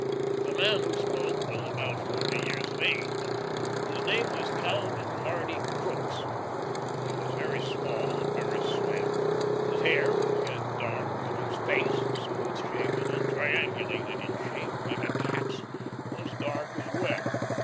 The man who spoke was about forty years of age. His name was Calvin Hardy Crookes. He was very small and very slim. His hair was yet dark, and his face smooth shaven and triangulated in shape, like a cat's was dark as well.